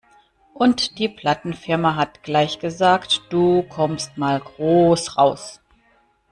Und die Plattenfirma hat gleich gesagt, du kommst mal groß raus.